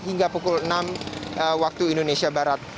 hingga pukul enam waktu indonesia barat